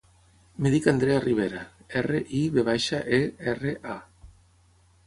Em dic Andrea Rivera: erra, i, ve baixa, e, erra, a.